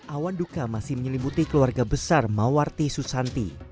awan duka masih menyelimuti keluarga besar mawarti susanti